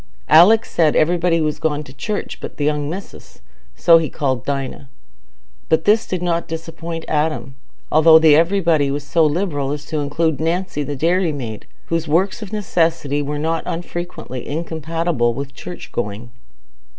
Alick said everybody was gone to church "but th' young missis"—so he called Dinah—but this did not disappoint Adam, although the "everybody" was so liberal as to include Nancy the dairymaid, whose works of necessity were not unfrequently incompatible with church going.